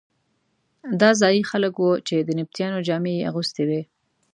دا ځايي خلک وو چې د نبطیانو جامې یې اغوستې وې.